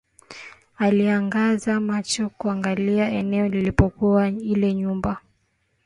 Aliangaza macho kuangalia eneo ilipokuwa ile nyumba